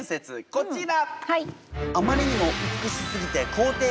こちら。